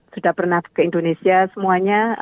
sudah pernah ke indonesia semuanya